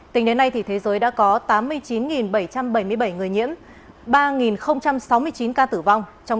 tính đến nay thì thế giới đã có tám mươi chín bảy trăm bảy mươi bảy người nhiễm ba sáu mươi chín ca tử vong